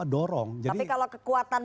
dorong tapi kalau kekuatan